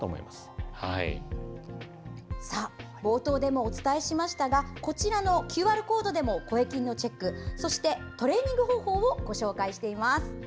冒頭でもお伝えしましたがこちらのＱＲコードでも声筋のチェックそしてトレーニング方法をご紹介しています。